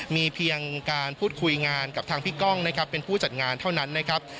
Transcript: มีเพียงการพูดคุยงานกับทางพี่ก้องนะครับเป็นผู้จัดงานเท่านั้นนะครับ